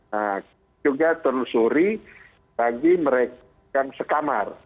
nah juga telusuri bagi mereka yang sekamar